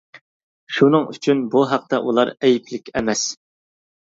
شۇنىڭ ئۈچۈن، بۇ ھەقتە ئۇلار ئەيىبلىك ئەمەس.